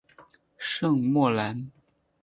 圣莫兰。